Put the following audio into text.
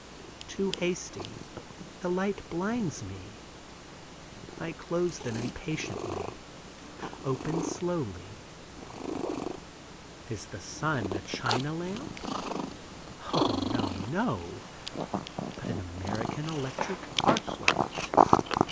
Too hasty—the light blinds me. I close them impatiently; open slowly. Is the sun a China lamp? O, no, no; but an American electric arc light.